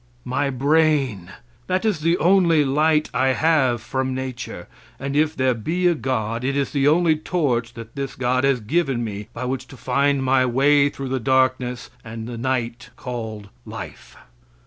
My brain. That is the only light I have from nature, and if there be a God, it is the only torch that this God has given me by which to find my way through the darkness and the night called life.